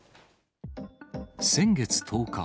先月１０日。